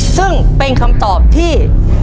ซึ่งเป็นคำตอบที่